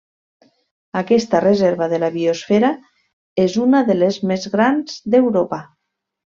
Aquesta reserva de la biosfera és una de les més grans d'Europa.